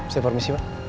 saya permisi pak